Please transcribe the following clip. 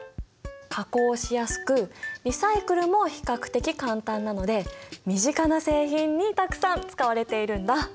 加工しやすくリサイクルも比較的簡単なので身近な製品にたくさん使われているんだ。